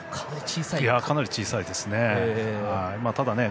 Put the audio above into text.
かなり小さいですね。